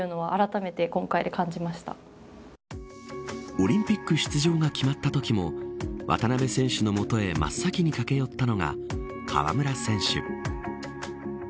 オリンピック出場が決まったときも渡邊選手の元へ真っ先に駆け寄ったのが河村選手。